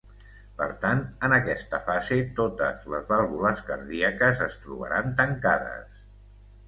Per tant, en aquesta fase totes les vàlvules cardíaques es trobaran tancades.